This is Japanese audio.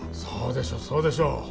そうでしょうそうでしょう